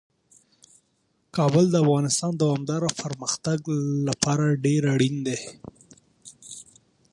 کابل د افغانستان د دوامداره پرمختګ لپاره ډیر اړین دی.